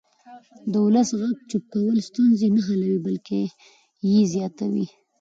د ولس غږ چوپ کول ستونزې نه حلوي بلکې یې زیاتوي